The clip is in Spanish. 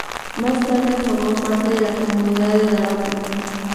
Más tarde formó parte de la Comunidad de Daroca.